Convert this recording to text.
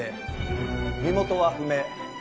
身元は不明。